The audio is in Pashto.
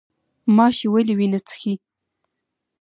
ماشی ولې وینه څښي؟